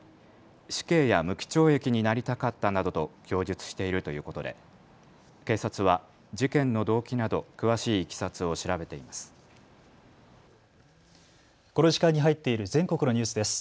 死刑や無期懲役になりたかったなどと供述しているということで警察は事件の動機など詳しいいきさつを調べています。